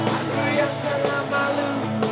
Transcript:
aku yang terlalu malu